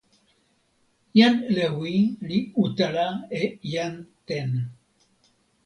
jan Lewi li utala e jan Ten.